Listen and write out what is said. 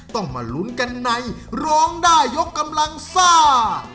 ต้องมาลุ้นกันในร้องได้ยกกำลังซ่า